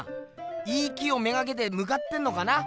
いい木を目がけてむかってんのかな？